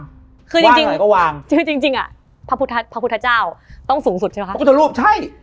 ว่างตรงไหนก็วางคือจริงอะพระพุทธเจ้าต้องสูงสุดใช่ปะคะพระพุทธรูปใช่